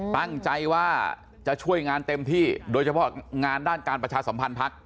ตั้งใจว่าจะช่วยงานเต็มที่โดยเฉพาะงานด้านการประชาสัมพันธ์พัก